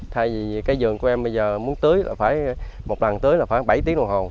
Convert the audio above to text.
thay vì cái giường của em bây giờ muốn tưới là phải một lần tưới là khoảng bảy tiếng đồng hồn